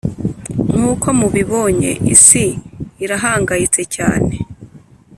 nkuko mubibonye isi irahangayitse cyane